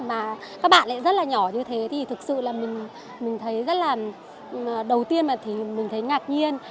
và các bạn lại rất là nhỏ như thế thì thực sự là mình thấy rất là đầu tiên là mình thấy ngạc nhiên